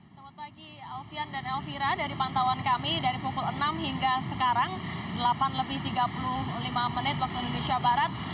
selamat pagi alfian dan elvira dari pantauan kami dari pukul enam hingga sekarang delapan lebih tiga puluh lima menit waktu indonesia barat